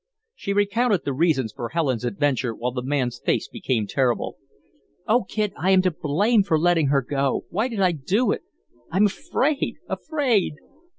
She recounted the reasons for Helen's adventure, while the man's face became terrible. "Oh, Kid, I am to blame for letting her go. Why did I do it? I'm afraid afraid."